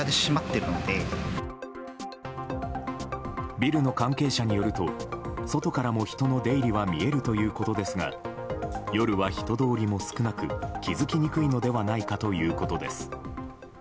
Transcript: ビルの関係者によると外からも人の出入りは見えるということですが夜は人通りも少なく気づきにくいのではないかということです。